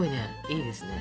いいですね。